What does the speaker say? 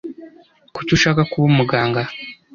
Kuki ushaka kuba umuganga?